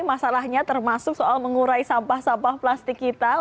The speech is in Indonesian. masalahnya termasuk soal mengurai sampah sampah plastik kita